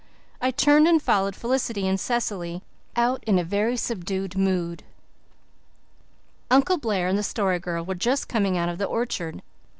I turned and followed Felicity and Cecily out in a very subdued mood. Uncle Blair and the Story Girl were just coming out of the orchard.